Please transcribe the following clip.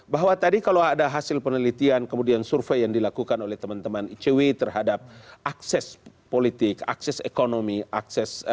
bahwa tadi kalau ada hasil penelitian kemudian survei yang dilakukan oleh teman teman icw terhadap akses politik akses ekonomi akses